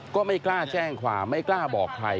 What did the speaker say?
ก็ไม่กล้าแจ้งความไม่กล้าบอกใคร